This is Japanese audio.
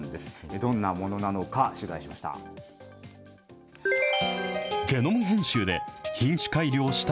どんなものなのか、取材しました。